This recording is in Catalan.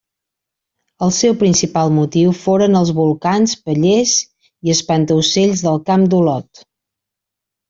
El seu principal motiu foren els volcans, pallers i espantaocells del camp d'Olot.